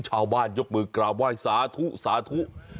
ชาวบ้านยกมือกราวไหว้สาธุสาธุ